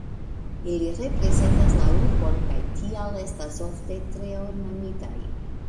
Ili reprezentas la urbon kaj tial estas ofte tre ornamitaj.